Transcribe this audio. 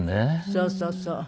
そうそうそう。